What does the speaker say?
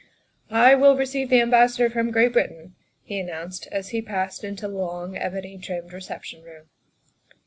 " I will receive the Ambassador from Great Britain," he announced as he passed into the long, ebony trimmed reception room.